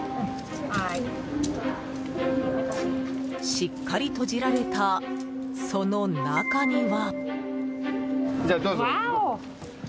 しっかり閉じられたその中には。